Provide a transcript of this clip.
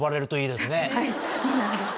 はいそうなんです。